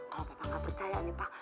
kalau papa gak percaya nih pa